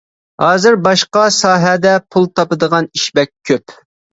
ھازىر باشقا ساھەدە پۇل تاپىدىغان ئىش بەك كۆپ.